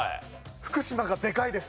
福島がでかいです。